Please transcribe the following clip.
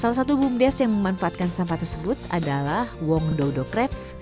salah satu bumdes yang memanfaatkan sampah tersebut adalah wong doudodocrev